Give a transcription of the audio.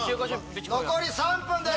残り３分です。